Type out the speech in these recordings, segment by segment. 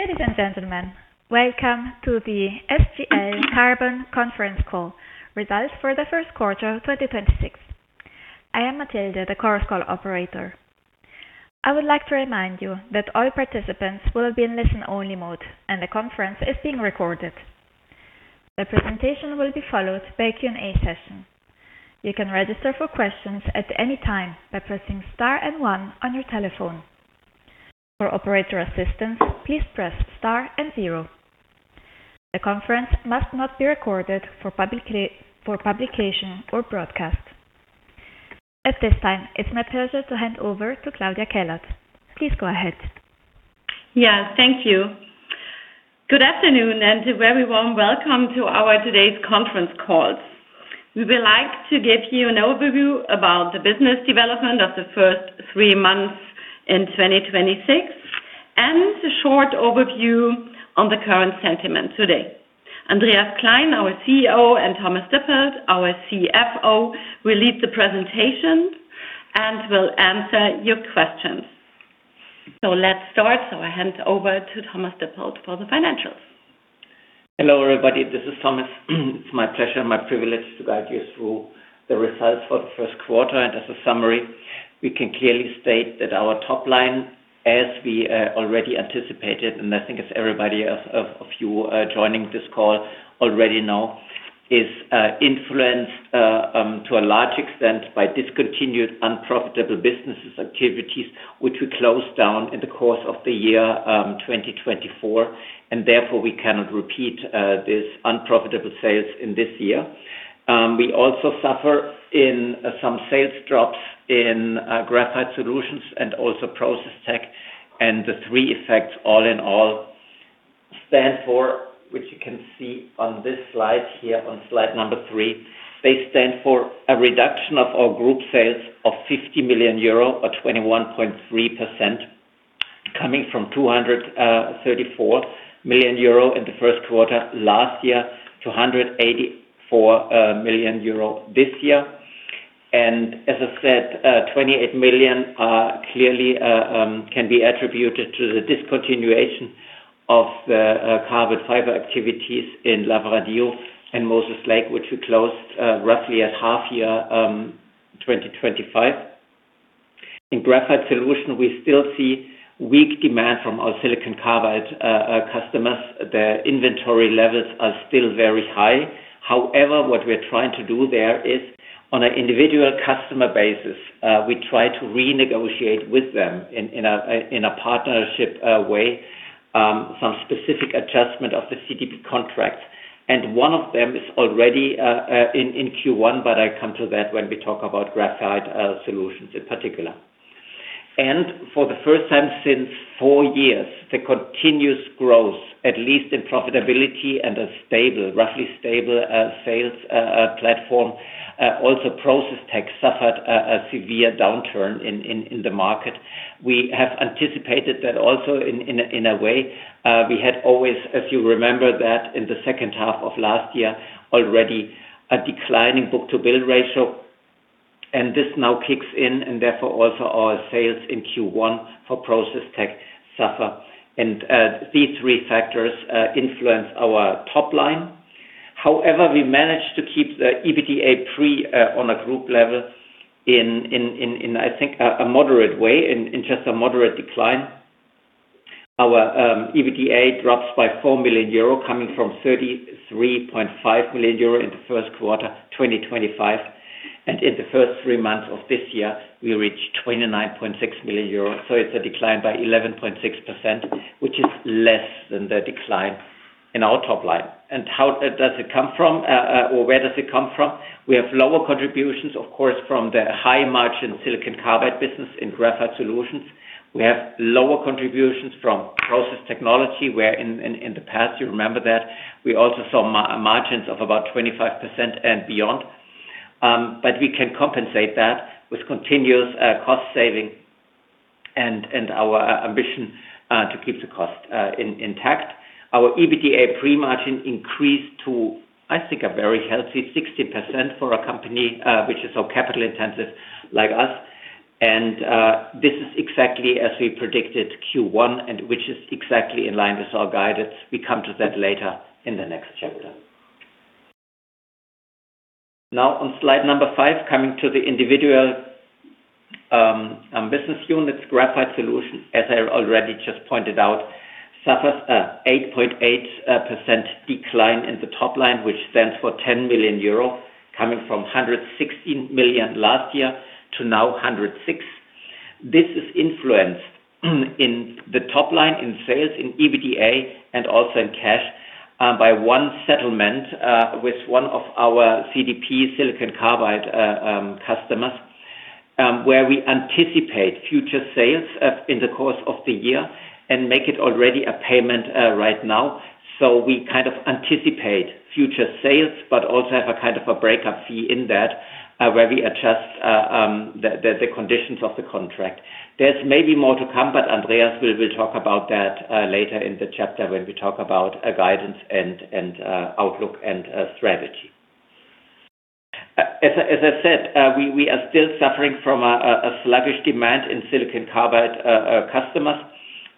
Ladies and gentlemen, welcome to the SGL Carbon conference call, results for the Q1 2026. I am Matilde, the Conference Call Operator. I would like to remind you that all participants will be in listen-only mode, and the conference is being recorded. The presentation will be followed by a Q&A session. You can register for questions at any time by pressing star one on your telephone. For operator assistance, please press star zero. The conference must not be recorded for publication or broadcast. At this time, it's my pleasure to hand over to Claudia Kellert. Please go ahead. Yeah, thank you. Good afternoon and a very warm welcome to our today's conference call. We would like to give you an overview about the business development of the first three months in 2026 and a short overview on the current sentiment today. Andreas Klein, our CEO, and Thomas Dippold, our CFO, will lead the presentation and will answer your questions. Let's start. I hand over to Thomas Dippold for the financials. Hello, everybody. This is Thomas. It's my pleasure and my privilege to guide you through the results for the first quarter. As a summary, we can clearly state that our top line, as we already anticipated, and I think as everybody of you joining this call already know, is influenced to a large extent by discontinued unprofitable businesses activities, which we closed down in the course of the year 2024, and therefore we cannot repeat this unprofitable sales in this year. We also suffer in some sales drops in Graphite Solutions and also Process Tech. The threeeffects all in all stand for, which you can see on this slide here on slide number 3. They stand for a reduction of our group sales of 50 million euro or 21.3%, coming from 234 million euro in the first quarter last year to 184 million euro this year. As I said, 28 million are clearly can be attributed to the discontinuation of the carbon fiber activities in Lavradio and Moses Lake, which we closed roughly at half year 2025. In Graphite Solutions, we still see weak demand from our silicon carbide customers. Their inventory levels are still very high. However, what we're trying to do there is on an individual customer basis, we try to renegotiate with them in a partnership way, some specific adjustment of the CVD contracts. One of them is already in Q1, but I come to that when we talk about Graphite Solutions in particular. For the first time since four years, the continuous growth, at least in profitability and a stable, roughly stable sales platform, also Process Tech suffered a severe downturn in the market. We have anticipated that also in a way. We had always, as you remember that in the second half of last year, already a declining book-to-bill ratio, and this now kicks in and therefore also our sales in Q1 for Process Tech suffer. These three factors influence our top line. However, we managed to keep the EBITDA pre on a group level in, I think, a moderate way, in just a moderate decline. Our EBITDA drops by 4 million euro coming from 33.5 million euro in the Q1 2025. In the first three months of this year, we reached 29.6 million euros. It's a decline by 11.6%, which is less than the decline in our top line. Where does it come from? We have lower contributions, of course, from the high-margin silicon carbide business in Graphite Solutions. We have lower contributions from Process Technology, where in the past, you remember that, we also saw margins of about 25% and beyond. We can compensate that with continuous cost saving and our ambition to keep the cost intact. Our EBITDA pre-margin increased to, I think, a very healthy 60% for a company which is so capital intensive like us. This is exactly as we predicted Q1 and which is exactly in line with our guidance. We come to that later in the next chapter. Now on slide number 5, coming to the individual business units, Graphite Solutions, as I already just pointed out, suffers a 8.8% decline in the top line, which stands for 10 million euro coming from 116 million last year to now 106 million. This is influenced in the top line in sales, in EBITDA and also in cash, by one settlement with one of our CDP silicon carbide customers, where we anticipate future sales in the course of the year and make it already a payment right now. We kind of anticipate future sales, but also have a kind of a breakup fee in that, where we adjust the conditions of the contract. There's maybe more to come, Andreas will talk about that later in the chapter when we talk about guidance and outlook and strategy. As I said, we are still suffering from a sluggish demand in silicon carbide customers.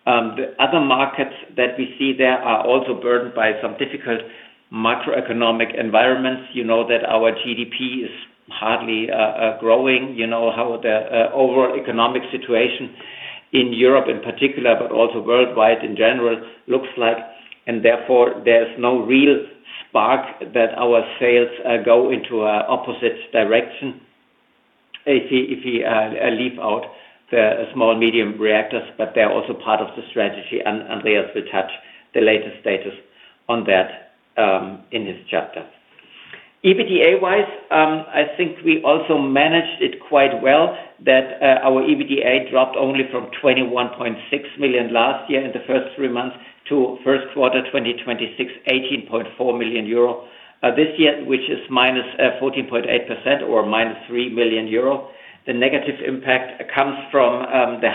The other markets that we see there are also burdened by some difficult macroeconomic environments. You know that our GDP is hardly growing. You know how the overall economic situation in Europe in particular, but also worldwide in general, looks like. Therefore, there's no real spark that our sales go into an opposite direction if we leave out the small modular reactors, but they're also part of the strategy, and they also touch the latest status on that in this chapter. EBITDA-wise, I think we also managed it quite well that our EBITDA dropped only from 21.6 million last year in the first three months to Q1 2026, 18.4 million euro. This year, which is minus 14.8% or -3 million euro. The negative impact comes from the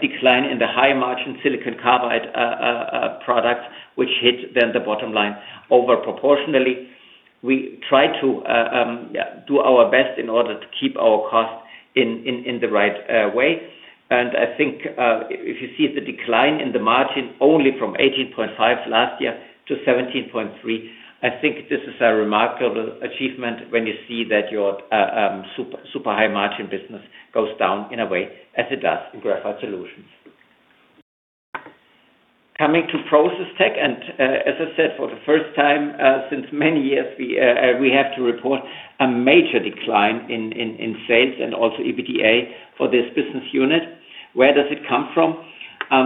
decline in the high-margin silicon carbide product, which hit then the bottom line over proportionally. We try to, yeah, do our best in order to keep our cost in the right way. I think, if you see the decline in the margin only from 18.5% last year to 17.3%, I think this is a remarkable achievement when you see that your super high margin business goes down in a way as it does in Graphite Solutions. Coming to Process Tech, as I said, for the first time, since many years, we have to report a major decline in sales and also EBITDA for this business unit. Where does it come from?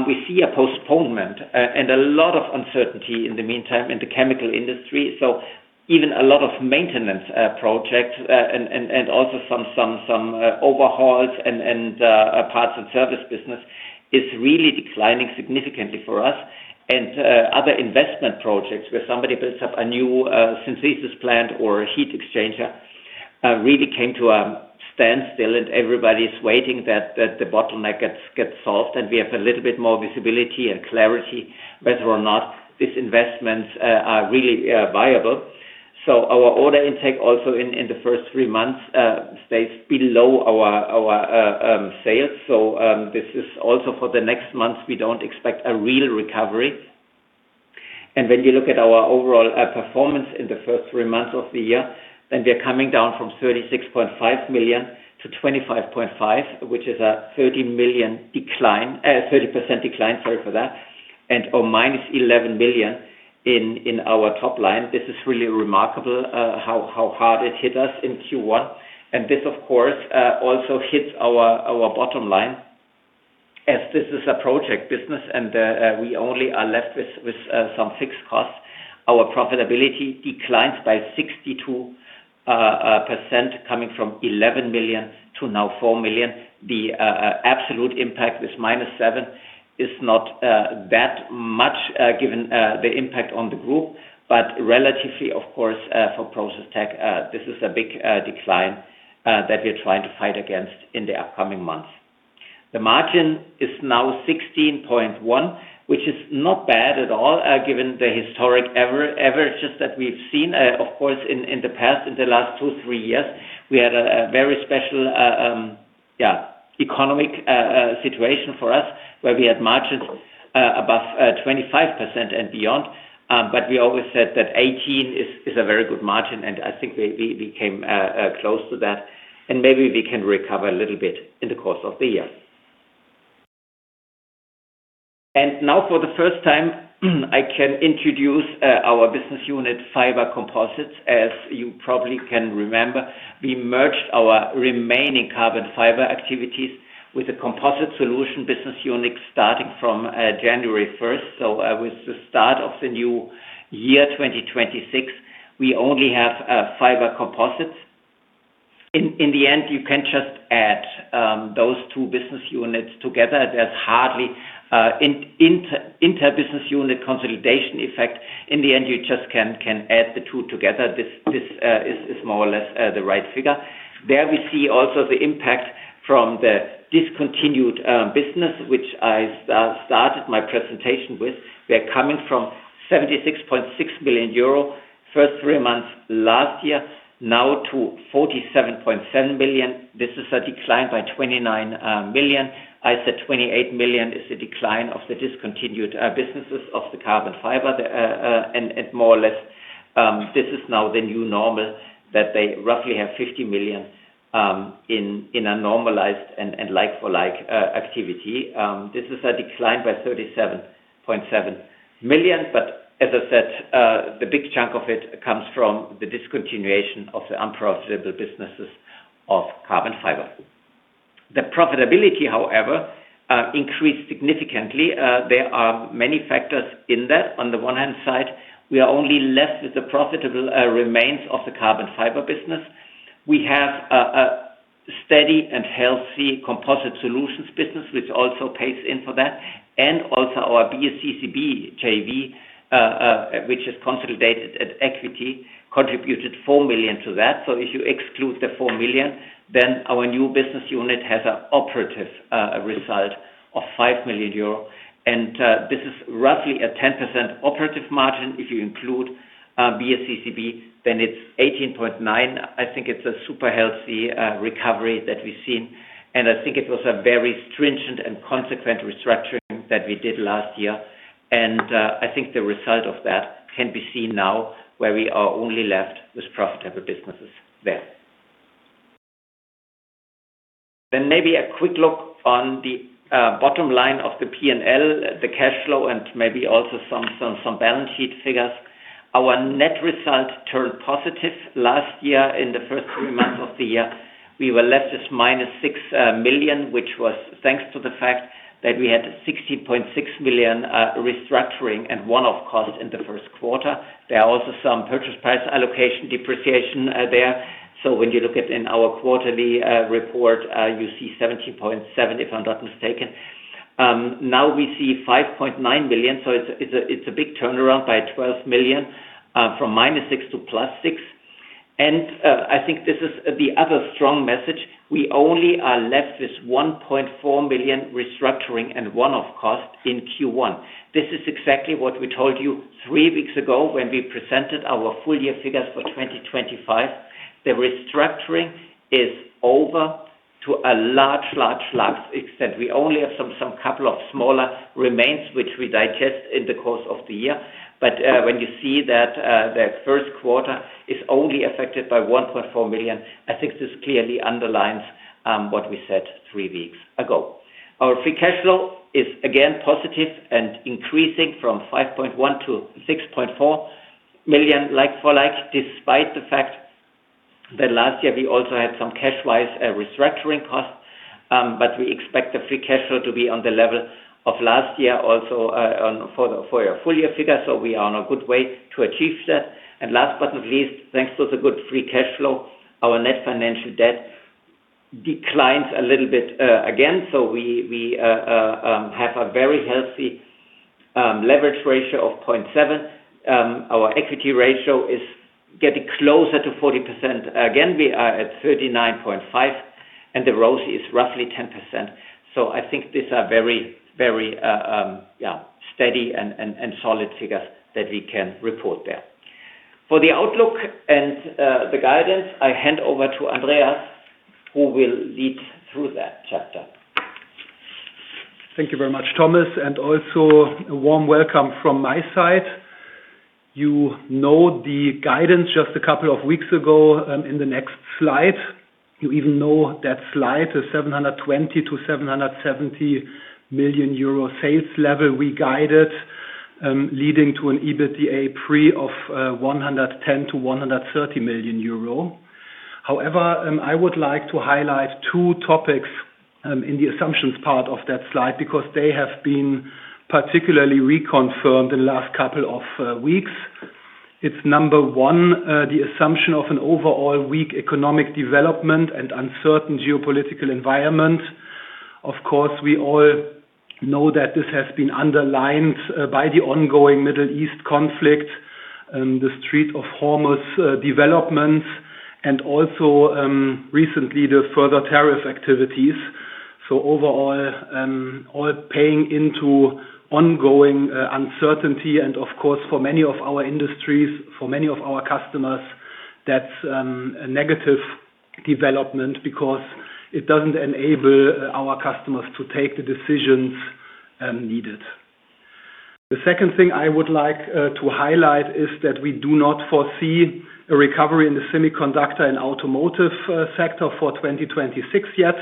We see a postponement and a lot of uncertainty in the meantime in the chemical industry. Even a lot of maintenance projects and also some overhauls and parts and service business is really declining significantly for us. Other investment projects where somebody builds up a new synthesis plant or a heat exchanger really came to a standstill and everybody's waiting that the bottleneck gets solved, and we have a little bit more visibility and clarity whether or not these investments are really viable. Our order intake also in the first three months stays below our sales. This is also for the next months, we don't expect a real recovery. When you look at our overall performance in the first three months of the year, then we are coming down from 36.5 million to 25.5 million, which is a 30 million decline, 30% decline, sorry for that, or -11 million in our top line. This is really remarkable, how hard it hit us in Q1. This, of course, also hits our bottom line as this is a project business, and we only are left with some fixed costs. Our profitability declines by 62%, coming from 11 million to now 4 million. The absolute impact with -7 is not that much, given the impact on the group. Relatively, of course, for Process Technology, this is a big decline that we're trying to fight against in the upcoming months. The margin is now 16.1, which is not bad at all, given the historic averages that we've seen. Of course, in the past, in the last 2, 3 years, we had a very special economic situation for us, where we had margins above 25% and beyond. We always said that 18 is a very good margin, and I think we came close to that, and maybe we can recover a little bit in the course of the year. Now, for the first time, I can introduce our business unit, Fiber Composites. As you probably can remember, we merged our remaining carbon fiber activities with a Composite Solutions business unit starting from January 1st. With the start of the new year, 2026, we only have Fiber Composites. In the end, you can just add those two business units together. There's hardly inter-business unit consolidation effect. In the end, you just can add the two together. This is more or less the right figure. There we see also the impact from the discontinued business, which I started my presentation with. We are coming from 76.6 million euro, first three months last year, now to 47.7 million. This is a decline by 29 million. I said 28 million is the decline of the discontinued businesses of the carbon fiber. More or less, this is now the new normal that they roughly have 50 million in a normalized and like-for-like activity. This is a decline by 37.7 million. As I said, the big chunk of it comes from the discontinuation of the unprofitable businesses of carbon fiber. The profitability, however, increased significantly. There are many factors in that. On the one hand side, we are only left with the profitable remains of the carbon fiber business. We have a steady and healthy Composite Solutions business, which also pays in for that. Also our BSCCB JV, which is consolidated at equity, contributed 4 million to that. If you exclude the 4 million, then our new business unit has a operative result of 5 million euro. This is roughly a 10% operative margin. If you include BSCCB, then it's 18.9%. I think it's a super healthy recovery that we've seen, and I think it was a very stringent and consequent restructuring that we did last year. I think the result of that can be seen now where we are only left with profitable businesses there. Maybe a quick look on the bottom line of the P&L, the cash flow, and maybe also some balance sheet figures. Our net result turned positive last year. In the first three months of the year, we were left with -[EUR 6 million, which was thanks to the fact that we had 60.6 million restructuring and one-off cost in the Q1. There are also some purchase price allocation depreciation there. When you look at in our quarterly report, you see 17.7, if I'm not mistaken. Now we see 5.9 million. It's a big turnaround by 12 million, from -6 to +6. I think this is the other strong message. We only are left with 1.4 million restructuring and one-off cost in Q1. This is exactly what we told you three weeks ago when we presented our full year figures for 2025. The restructuring is over to a large extent. We only have some couple of smaller remains which we digest in the course of the year. When you see that the Q1 is only affected by 1.4 million, I think this clearly underlines what we said three weeks ago. Our free cash flow is again positive and increasing from 5.1 million to 6.4 million like for like, despite the fact that last year we also had some cash-wise restructuring costs. But we expect the free cash flow to be on the level of last year also for the, for your full year figures, so we are on a good way to achieve that. Last but not least, thanks to the good free cash flow, our net financial debt declines a little bit again. We have a very healthy leverage ratio of 0.7. Our equity ratio is getting closer to 40%. Again, we are at 39.5, and the ROCE is roughly 10%. I think these are very steady and solid figures that we can report there. For the outlook and the guidance, I hand over to Andreas, who will lead through that chapter. Thank you very much, Thomas, and also a warm welcome from my side. You know the guidance just a couple of weeks ago, in the next slide. You even know that slide is 720 million to 770 million euro sales level we guided, leading to an EBITDA pre of 110 million-130 million euro. However, I would like to highlight two topics in the assumptions part of that slide because they have been particularly reconfirmed in the last couple of weeks. It's number one, the assumption of an overall weak economic development and uncertain geopolitical environment. Of course, we all know that this has been underlined by the ongoing Middle East conflict, the Strait of Hormuz developments and also recently the further tariff activities. Overall, all paying into ongoing uncertainty and of course, for many of our industries, for many of our customers, that's a negative development because it doesn't enable our customers to take the decisions needed. The second thing I would like to highlight is that we do not foresee a recovery in the semiconductor and automotive sector for 2026 yet.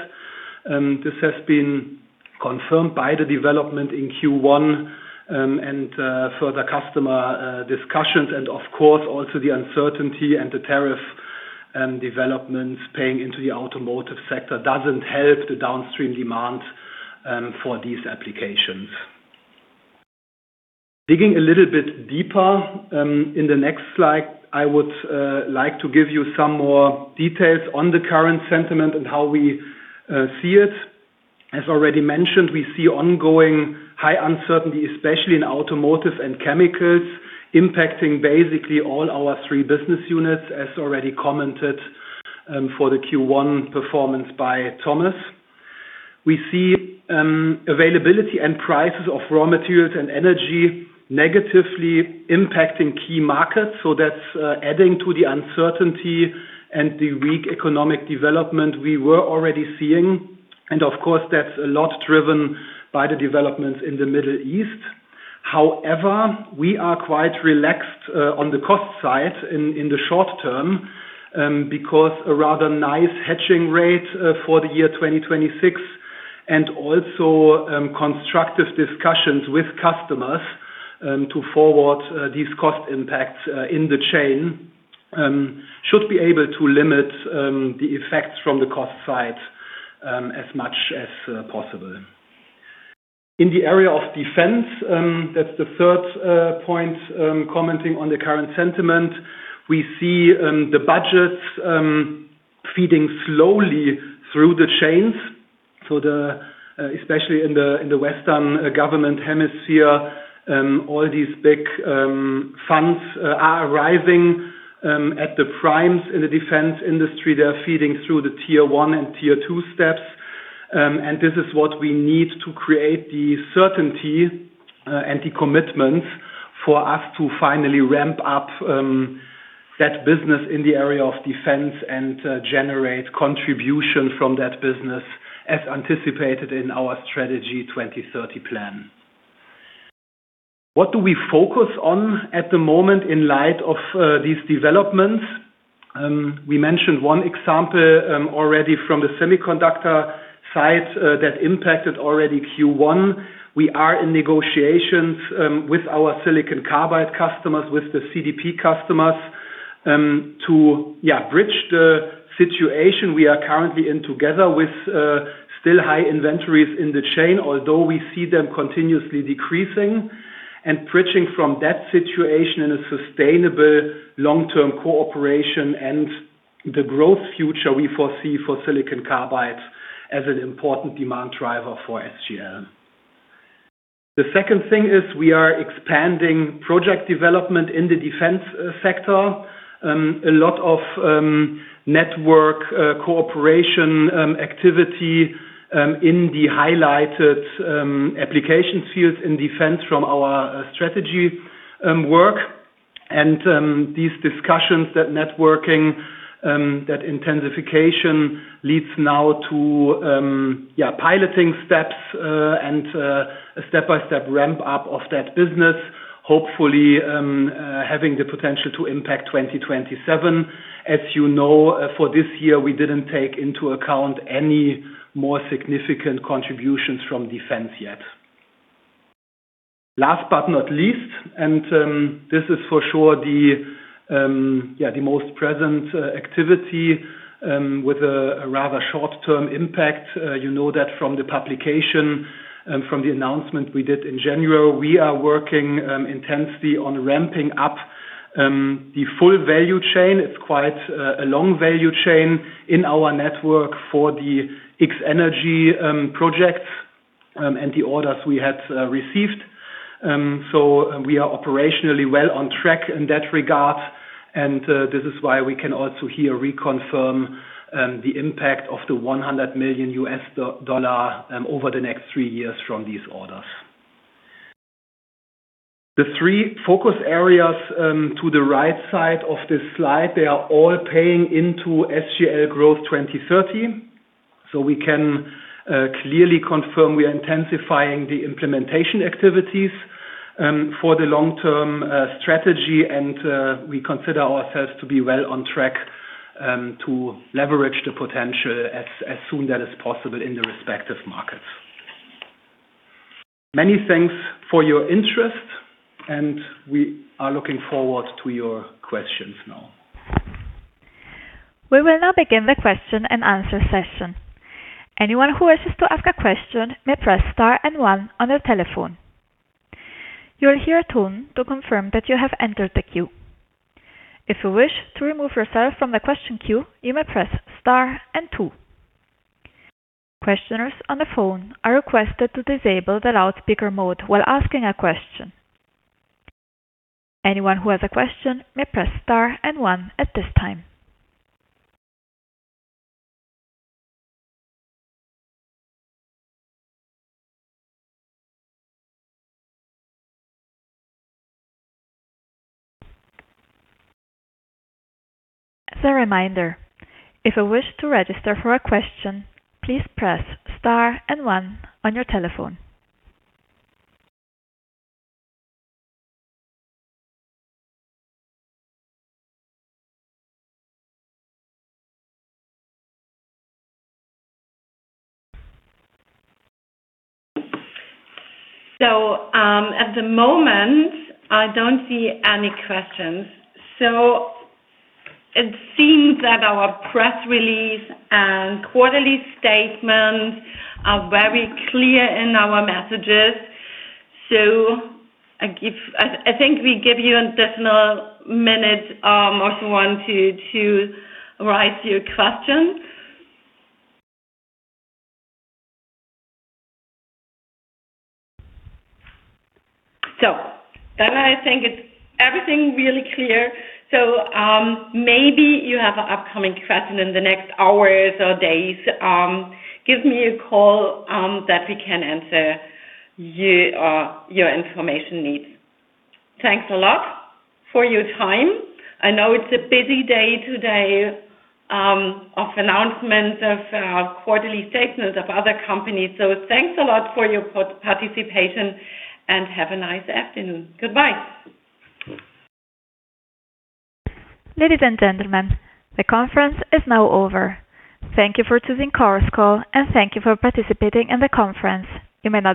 This has been confirmed by the development in Q1, and further customer discussions and of course, also the uncertainty and the tariff developments paying into the automotive sector doesn't help the downstream demand for these applications. Digging a little bit deeper, in the next slide, I would like to give you some more details on the current sentiment and how we see it. As already mentioned, we see ongoing high uncertainty, especially in automotive and chemicals, impacting basically all our three business units, as already commented for the Q1 performance by Thomas. We see availability and prices of raw materials and energy negatively impacting key markets. That's adding to the uncertainty and the weak economic development we were already seeing. Of course, that's a lot driven by the developments in the Middle East. However, we are quite relaxed on the cost side in the short term, because a rather nice hedging rate for the year 2026 and also constructive discussions with customers to forward these cost impacts in the chain should be able to limit the effects from the cost side as much as possible. In the area of defense, that's the third point, commenting on the current sentiment. We see the budgets feeding slowly through the chains. Especially in the, in the Western government hemisphere, all these big funds are arriving at the primes in the defense industry. They're feeding through the tier 1 and tier 2 steps. This is what we need to create the certainty and the commitment for us to finally ramp up that business in the area of defense and generate contribution from that business as anticipated in our strategy 2030 plan. What do we focus on at the moment in light of these developments? We mentioned one example already from the semiconductor side that impacted already Q1. We are in negotiations with our silicon carbide customers, with the CDP customers, to bridge the situation we are currently in together with still high inventories in the chain, although we see them continuously decreasing. Bridging from that situation in a sustainable long-term cooperation and the growth future we foresee for silicon carbide as an important demand driver for SGL. The second thing is we are expanding project development in the defense sector. A lot of network cooperation activity in the highlighted applications fields in defense from our strategy work. These discussions, that networking, that intensification leads now to piloting steps and a step-by-step ramp up of that business, hopefully, having the potential to impact 2027. As you know, for this year, we didn't take into account any more significant contributions from defense yet. Last but not least, this is for sure the, yeah, the most present activity, with a rather short-term impact. You know that from the publication, from the announcement we did in January. We are working intensely on ramping up the full value chain. It's quite a long value chain in our network for the X-energy projects, and the orders we had received. We are operationally well on track in that regard, and this is why we can also here reconfirm the impact of the $100 million over the next three years from these orders. The three focus areas, to the right side of this slide, they are all paying into SGL Growth 2030. We can clearly confirm we are intensifying the implementation activities for the long-term strategy. We consider ourselves to be well on track to leverage the potential as soon that is possible in the respective markets. Many thanks for your interest, we are looking forward to your questions now. We will now begin the question and answer session. Anyone who wishes to ask a question may press star and one on their telephone. You will hear a tone to confirm that you have entered the queue. If you wish to remove yourself from the question queue, you may press star and two. Questioners on the phone are requested to disable the loudspeaker mode while asking a question. Anyone who has a question may press star and one at this time. As a reminder, if you wish to register for a question, please press star and one on your telephone. At the moment, I don't see any questions. It seems that our press release and quarterly statements are very clear in our messages. I think we give you an additional minute or so to write your questions. I think it's everything really clear. Maybe you have an upcoming question in the next hours or days. Give me a call that we can answer you or your information needs. Thanks a lot for your time. I know it's a busy day today of announcement of quarterly statements of other companies. Thanks a lot for your participation, and have a nice afternoon. Goodbye. Ladies and gentlemen, the conference is now over. Thank you for choosing Chorus Call, and thank you for participating in the conference. You may disconnect.